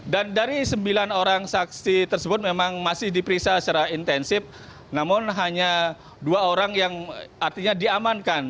dan dari sembilan orang saksi tersebut memang masih diperiksa secara intensif namun hanya dua orang yang artinya diamankan